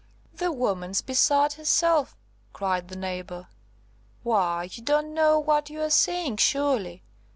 "The woman's beside herself!" cried the neighbour. "Why, you don't know what you are saying, surely.